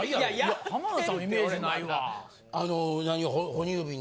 浜田さんもイメージないわ。